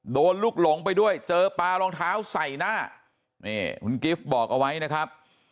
โดนลูกหลงไปด้วยเจอปลารองเท้าใส่หน้านี่คุณกิฟต์บอกเอาไว้นะครับ